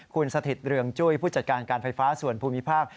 คุณสถิตเรืองจุ้ยผู้จัดการการไฟฟ้าส่วนภูมิภาค